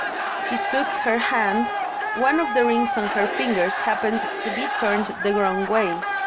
He took her hand. One of the rings on her fingers happened to be turned the wrong way.